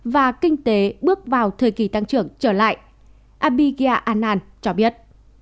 và kinh tế bước vào thời kỳ tăng trưởng trở lại abhigya anand cho biết